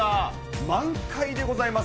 満開でございます。